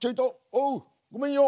おうごめんよ！